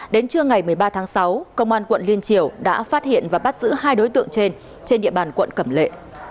đến trưa ngày một mươi ba tháng sáu công an quận liên triều đã phát hiện và bắt giữ hai đối tượng trên trên địa bàn quận cẩm lệ